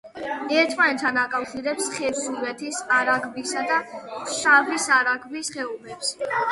ერთმანეთთან აკავშირებს ხევსურეთის არაგვისა და ფშავის არაგვის ხეობებს.